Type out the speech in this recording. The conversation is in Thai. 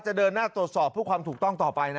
เดินหน้าตรวจสอบเพื่อความถูกต้องต่อไปนะ